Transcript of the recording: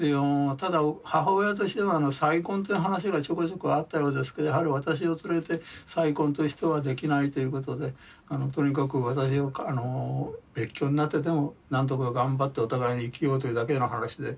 ただ母親としては再婚という話がちょこちょこあったようですけどやはり私を連れて再婚としてはできないということでとにかく私を別居になってでもなんとか頑張ってお互いに生きようというだけの話で。